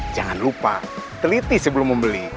jangan lupa teliti sebelum membeli